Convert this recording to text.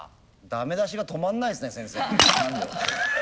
駄目出しが止まんないですね先生。